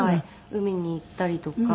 海に行ったりとか。